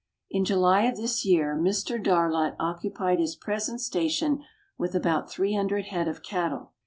In July of this year Mr. Darlot occupied his present station with about 300 head of cattle.